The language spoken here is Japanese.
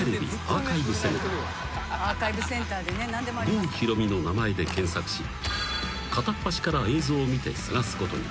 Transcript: ［郷ひろみの名前で検索し片っ端から映像を見て探すことに。